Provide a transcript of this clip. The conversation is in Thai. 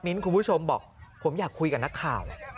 คุณผู้ชมบอกผมอยากคุยกับนักข่าว